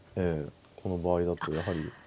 この場合だとやはり。